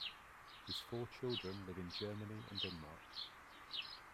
His four children live in Germany and Denmark.